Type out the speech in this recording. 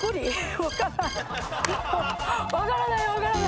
分からない。